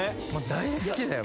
大好きだよ